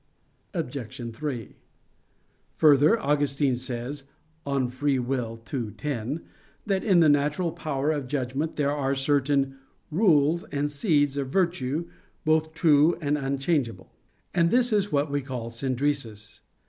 Obj. 3: Further, Augustine says (De Lib. Arb. ii, 10) that in the natural power of judgment there are certain "rules and seeds of virtue, both true and unchangeable." And this is what we call synderesis.